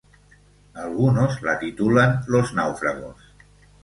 Algunos la titulan "Los náufragos".